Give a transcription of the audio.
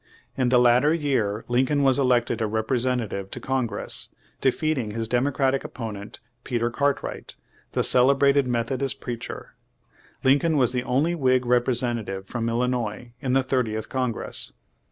In the latter year Lincoln was elected a representative to Con gress, defeating his Democratic opponent, Peter Cartright, the celebrated Methodist preacher. Lincoln was the only Whig representative from Illinois in the Thirtieth Congress.